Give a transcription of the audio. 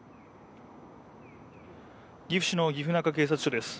岐阜市の岐阜中警察署です。